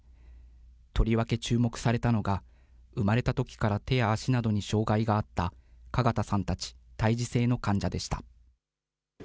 とりわけ注目されたのが、生まれたときから手や足などに障害があった加賀田さんたち胎児性の患者でした。